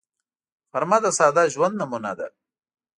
غرمه د ساده ژوند نمونه ده